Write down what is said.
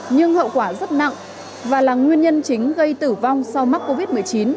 nhưng hậu quả rất nặng và là nguyên nhân chính gây tử vong sau mắc covid một mươi chín